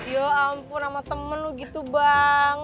ya ampun sama temen lu gitu bang